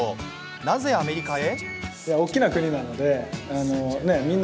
なぜアメリカへ？